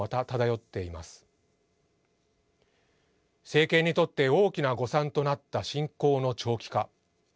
政権にとって大きな誤算となった侵攻の長期化。